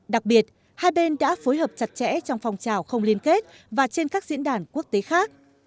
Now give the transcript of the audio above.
đặc biệt hai bên đã phối hợp chặt chẽ trong phong trào không liên kết và trên các diễn đàn quốc tế khác